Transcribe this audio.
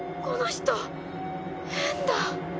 この人変だ